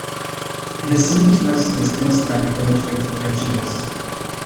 The suit was dismissed by the court with prejudice.